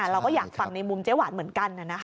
เราก็อยากฟังในมุมเจ๊หวานเหมือนกัน